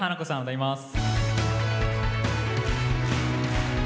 歌います。